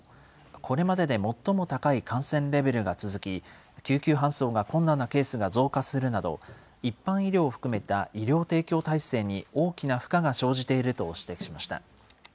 これまでで最も高い感染レベルが続き、救急搬送が困難なケースが増加するなど、一般医療を含めた医療提供体制に大きな負荷が生じていると指摘しました。